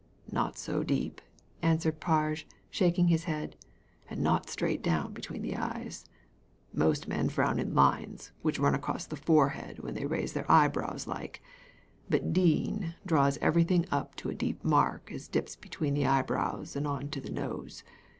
" Not so deep," answered Parge, shaking his head, "and not straight down between the eyes. Most men frown in lines which run across the forehead when they raise their eyebrows like ; but Dean draws everything up to a deep mark as dips just between the eyebrows and on to the nose.